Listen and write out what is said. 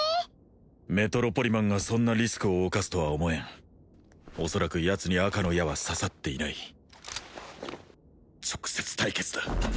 メトロポリマンがそんなリスクを冒すとは思えん恐らくヤツに赤の矢は刺さっていない直接対決だ！